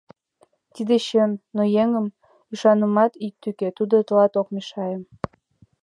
Тиде чын, но еҥ ӱшанымат ит тӱкӧ, тудо тылат ок мешае.